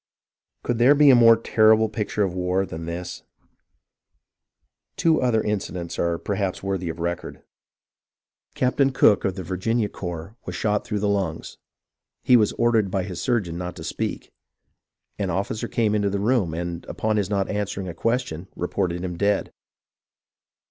Could there be a more terrible picture of war than this .* Two other incidents are perhaps worthy of record. 244 HISTORY OF THE AMERICAN REVOLUTION " Captain Cook of the Virginia corps was shot through the lungs. He was ordered by his surgeon not to speak. An officer came into the room, and on his not answering a question, reported him dead.